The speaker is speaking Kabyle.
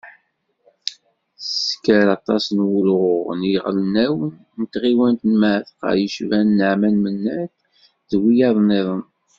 Tessker aṭas n wulɣuɣen iɣelnawen n tɣiwant n Mεatqa, yecban Naɛman Menad d wiyaḍ-nniḍen.